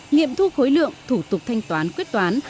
nghiệm thu khối lượng thủ tục thanh toán quyết toán